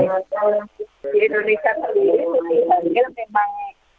di indonesia ini memang